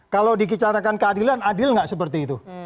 kalau dikicarakan keadilan adil nggak seperti itu